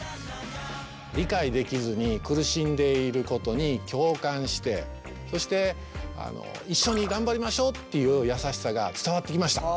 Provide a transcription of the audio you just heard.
理解できずに苦しんでいることに共感してそして一緒に頑張りましょうっていう優しさが伝わってきました。